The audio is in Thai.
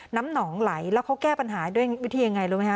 น้ำหนองไหลแล้วเขาแก้ปัญหาด้วยวิธียังไงรู้ไหมค